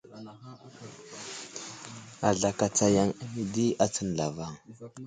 Azlakatsa yaŋ ane di atsən zlavaŋ.